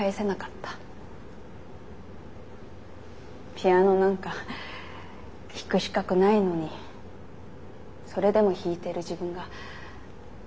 ピアノなんか弾く資格ないのにそれでも弾いてる自分が許せなくて。